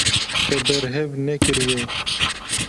Te berhev nekiriye.